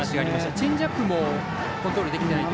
チェンジアップもコントロールできていないと。